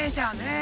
「え！」